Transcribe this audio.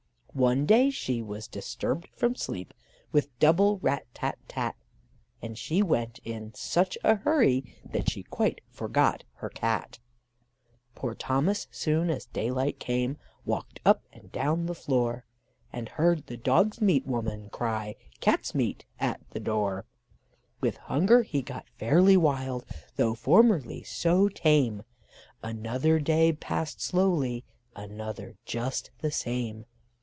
One day she was disturbed from sleep with double rat tat tat, And she went in such a hurry that she quite forgot her Cat. Poor Thomas, soon as day light came, walked up and down the floor, And heard the dogs' meat woman cry "Cats' meat" at the door; With hunger he got fairly wild, though formerly so tame Another day passed slowly, another just the same.